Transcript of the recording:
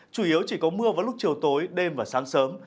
chủ yếu chỉ có mưa vào lúc chiều tối đêm và sáng sớm